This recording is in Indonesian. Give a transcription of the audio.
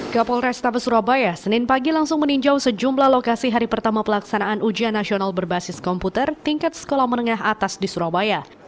kapol restabes surabaya senin pagi langsung meninjau sejumlah lokasi hari pertama pelaksanaan ujian nasional berbasis komputer tingkat sekolah menengah atas di surabaya